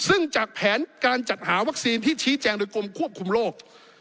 ซึ่งจากแผนการจัดหาวัคซีนที่ชี้แจงโดยกรมควบคุมโรค